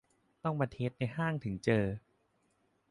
ต้องมาเทสในห้างถึงเจอ